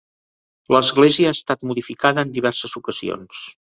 L'església ha estat modificada en diverses ocasions.